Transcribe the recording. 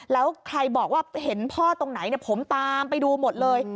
แล้วใครบอกว่าเห็นพ่อตรงไหนผมตามไปดูหมดเลย